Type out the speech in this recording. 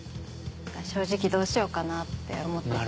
正直どうしようかなって思ってて。